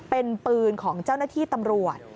เป็นปืนของเจ้าหน้าที่ตำรวจ